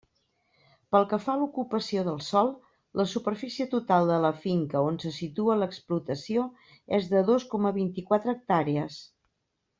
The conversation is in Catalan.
Pel que fa a l'ocupació de sòl, la superfície total de la finca on se situa l'explotació és de dos coma vint-i-quatre hectàrees.